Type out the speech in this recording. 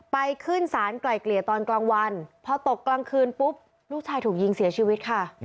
ขึ้นสารไกลเกลี่ยตอนกลางวันพอตกกลางคืนปุ๊บลูกชายถูกยิงเสียชีวิตค่ะ